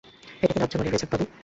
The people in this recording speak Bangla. এটাকে লজ্জা বলে রেজাক বাবু।